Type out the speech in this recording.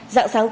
dạng sáng cuối